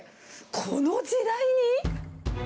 この時代に？